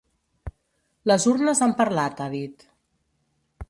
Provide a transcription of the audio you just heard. Les urnes han parlat, ha dit.